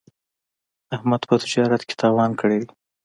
احمد په تجارت کې تاوان کړی دی.